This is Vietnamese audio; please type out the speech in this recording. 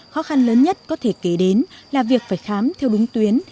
khó khăn lớn nhất có thể kể đến là việc phải khám theo đúng tuyến